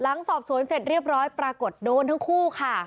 หลังสอบสวนเสร็จเรียบร้อยปรากฏโดนทั้งคู่ค่ะ